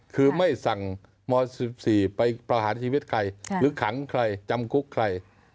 คือไม่สั่งม๑๔ไปประหารชีวิตใครหรือขังใครจำคุกใคร